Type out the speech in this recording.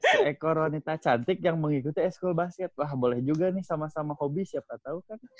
seekor wanita cantik yang mengikuti e school basket wah boleh juga nih sama sama hobi siapa tahu kan